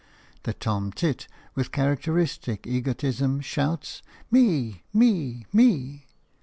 The tom tit, with characteristic egotism, shouts "Me, me, me!"